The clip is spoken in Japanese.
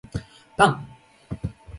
パン